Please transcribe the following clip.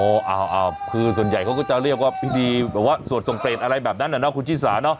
คือส่วนใหญ่เขาก็จะเรียกว่าพิธีแบบว่าสวดส่งเกรดอะไรแบบนั้นอ่ะเนาะคุณชิสาเนาะ